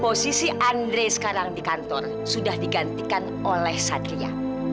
posisi andre sekarang di kantor sudah digantikan oleh satria